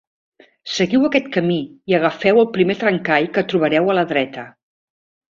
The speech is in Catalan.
Seguiu aquest camí i agafeu el primer trencall que trobareu a la dreta.